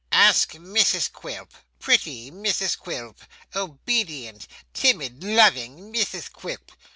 'Ask Mrs Quilp, pretty Mrs Quilp, obedient, timid, loving Mrs Quilp.